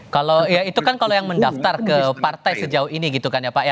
kalau ya itu kan kalau yang mendaftar ke partai sejauh ini gitu kan ya pak ya